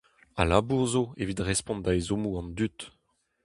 Ha labour zo evit respont da ezhommoù an dud.